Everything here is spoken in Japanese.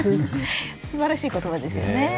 すばらしい言葉ですよね。